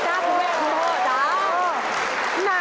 คุณแม่ของพ่อครับ